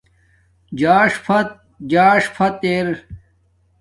زاݽ فت زاݽ فت ار